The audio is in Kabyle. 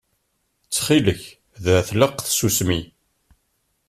Ttxil-k da tlaq tsusmi.